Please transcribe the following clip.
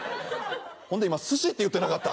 ほんで今「寿司」って言ってなかった？